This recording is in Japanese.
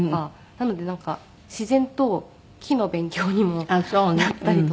なのでなんか自然と木の勉強にもなったりとか。